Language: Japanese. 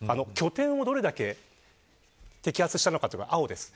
どれだけ摘発したのかというのが青です。